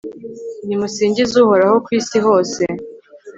nimusingize uhoraho ku isi hose